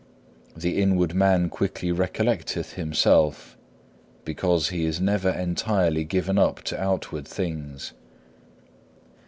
The inward man quickly recollecteth himself, because he is never entirely given up to outward things.